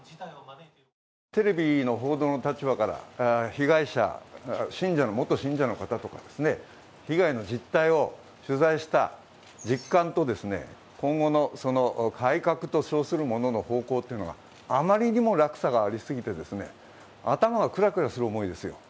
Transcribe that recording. テレビの報道の立場から被害者、信者、元信者の方とか、被害の実態を取材した実感と今後の改革と称するものの方向というのがあまりにも落差がありすぎて、頭がクラクラする思いですよ。